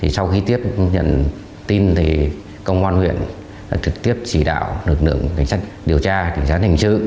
sau khi tiếp nhận tin công an huyện trực tiếp chỉ đạo lực lượng kinh sách điều tra kinh sát hình sự